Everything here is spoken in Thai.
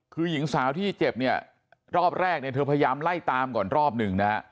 คือหญิงสาวที่เจ็บเนี่ยรอบแรกเนี่ยเธอพยายามไล่ตามก่อนรอบหนึ่งนะฮะ